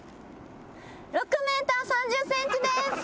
６ｍ３０ｃｍです。